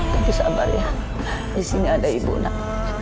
tapi sabar ya di sini ada ibu nak